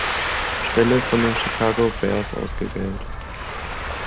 Stelle von den Chicago Bears ausgewählt.